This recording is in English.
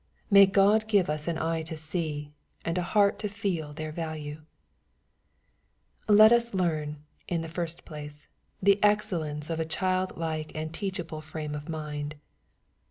May God give us an eye to see, and a heart to feel their value ! Let us learn, in the first place, the excellence of a child^ like and teachable frame of mind.